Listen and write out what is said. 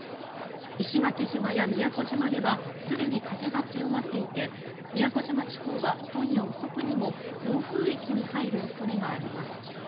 石垣島や宮古島ではすでに風が強まっていて宮古島地方は今夜遅くにも暴風域に入る恐れがあります。